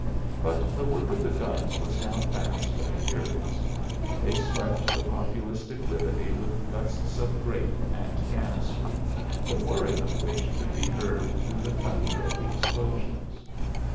But the work of the guns was now fast and furious. They swept the populous declivity with gusts of grape and canister, the whirring of which could be heard through the thunder of the explosions.